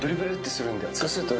そうすると。